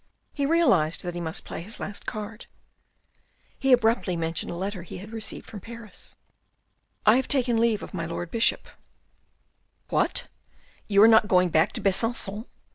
He realised that he must play his last card. He abruptly mentioned a letter he had just received from Paris. " I have taken leave of my Lord Bishop." 228 THE RED AND THE BLACK " What ! you are not going back to Besangon